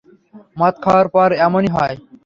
মদ খাওয়ার পর এমন হয়-ই!